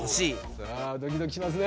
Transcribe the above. さあドキドキしますね。